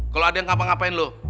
kalau ada yang ngapa ngapain loh